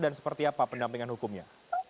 apa pendampingan hukumnya